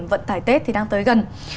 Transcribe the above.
vận tải tết thì đang tới gần